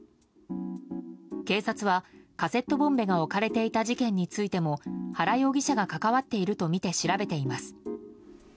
警察はカセットボンベが置かれていた事件についても原容疑者が関わっているとみて調べています。